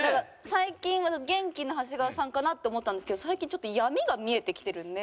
最近元気な長谷川さんかなって思ったんですけど最近ちょっと闇が見えてきてるんで。